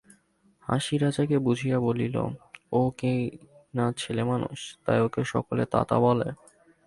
হাসি রাজাকে বুঝাইয়া বলিল, ও কিনা ছেলেমানুষ, তাই ওকে সকলে তাতা বলে।